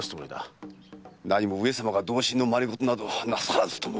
何も上様が同心の真似事などなさらずとも。